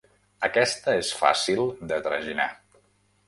Aquesta és fàcil de traginar.